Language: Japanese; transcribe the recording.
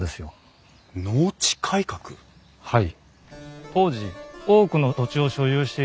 はい。